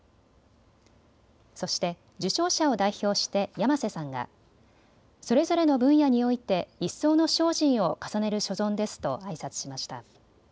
そして受章者を代表して山勢さんがそれぞれの分野において一層の精進を重ねる所存ですとあいさつしました。